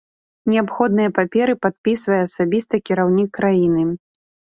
Неабходныя паперы падпісвае асабіста кіраўнік краіны.